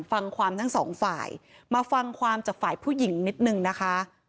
ฟังความทั้งสองฝ่ายมาฟังความจากฝ่ายผู้หญิงนิดนึงนะคะ